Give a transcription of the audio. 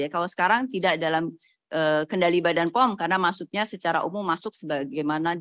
kalau sekarang tidak dalam kendali badan pom karena maksudnya secara umum masuk bagaimana